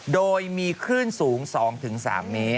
โดยมีขึ้นสูง๒๓เมตร